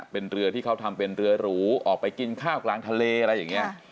เป็นเรือที่เขาทำเป็นเรือหรูออกไปกินข้าวกลางทะเลอะไรอย่างนี้